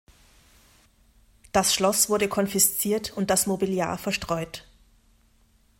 Das Schloss wurde konfisziert und das Mobiliar verstreut.